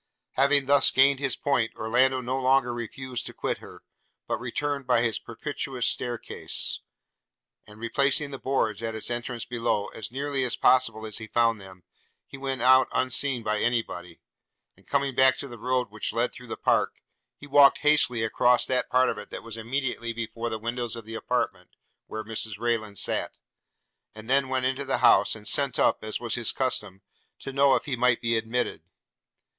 Having thus gained his point, Orlando no longer refused to quit her, but returned by his propitious stair case; and replacing the boards, at its entrance below, as nearly as possible as he found them, he went out unseen by any body; and going back to the road which led through the park, he walked hastily across that part of it that was immediately before the windows of the apartment where Mrs Rayland sat; and then went into the house, and sent up, as was his custom, to know if he might be admitted.